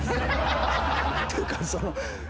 っていうかその。